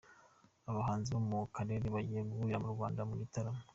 Abahanzi bo mu karere bagiye guhurira mu Rwanda mu gitaramo